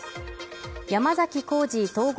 山崎幸二統合